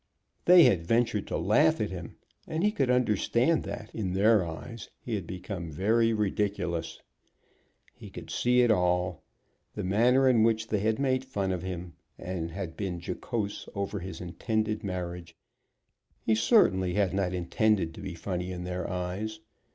They had ventured to laugh at him, and he could understand that, in their eyes, he had become very ridiculous. He could see it all, the manner in which they had made fun of him, and had been jocose over his intended marriage. He certainly had not intended to be funny in their eyes.